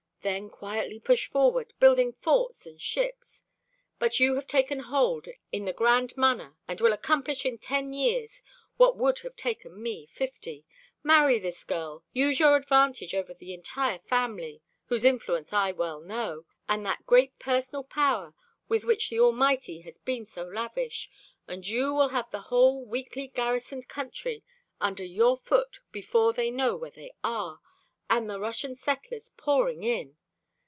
Then quietly push forward, building forts and ships. But you have taken hold in the grand manner and will accomplish in ten years what would have taken me fifty. Marry this girl, use your advantage over the entire family whose influence I well know and that great personal power with which the Almighty has been so lavish, and you will have the whole weakly garrisoned country under your foot before they know where they are, and the Russian settlers pouring in.